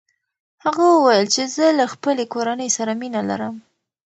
هغه وویل چې زه له خپلې کورنۍ سره مینه لرم.